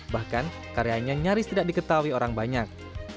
bahkan karyanya nyaris tidak diketahui orang banyak